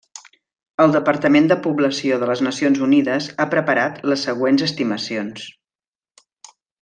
El Departament de Població de les Nacions Unides ha preparat les següents estimacions.